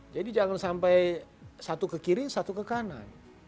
jadi jangan sampai satu ke kiri satu ke kanan